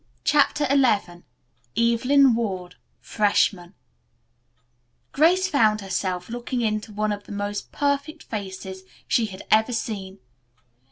CHAPTER XI EVELYN WARD, FRESHMAN Grace found herself looking into one of the most perfect faces she had ever seen.